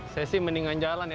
saya sih mendingan jalan ya